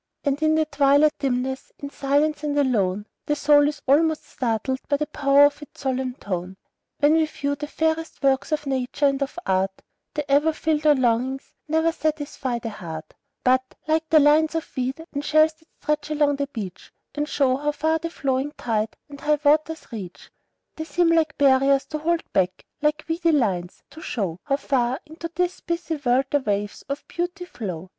And in the twilight dimness, in silence and alone, The soul is almost startled by the power of its solemn tone. When we view the fairest works of Nature and of Art, They ever fill with longings, never satisfy, the heart; But, like the lines of weed and shells that stretch along the beach, And show how far the flowing tide and the high waters reach, They seem like barriers to hold back, like weedy lines, to show How far into this busy world the waves of beauty flow.